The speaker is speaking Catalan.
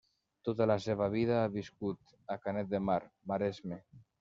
Tota la seva vida ha viscut a Canet de Mar, Maresme.